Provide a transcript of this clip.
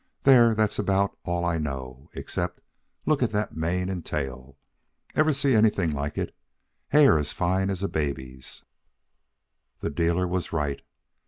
There, that's about all I know, except look at that mane and tail. Ever see anything like it? Hair as fine as a baby's." The dealer was right.